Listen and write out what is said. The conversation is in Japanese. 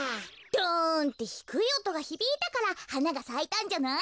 ドンってひくいおとがひびいたからはながさいたんじゃない？